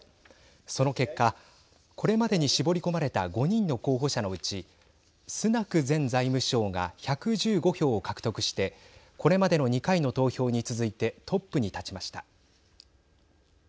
その結果これまでに絞り込まれた５人の候補者のうちスナク前財務相が１１５票を獲得してこれまでの２回の投票に続いてトップに立ちました。